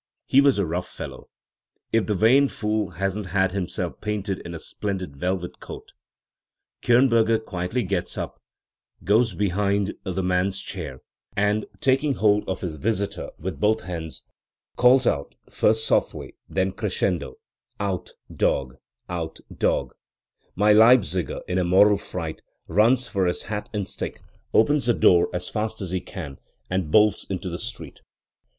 He was a rough fellow; if the vain fool hasn't had himself painted in a splendid velvet coat I 1 Kirnberger quietly gets up, goes behind the Schweitzer, Bach. II 1 62 IX, Appearance, Nature, and Character. man's chair, and, taking hold of his visitor with both hands, calls out, first softly, then crescendo, 'Out, dog! out, dog!' My Leip ziger, in a mortal fright, runs for his hat and stick, opens the door as fast as he can, and bolts into the street.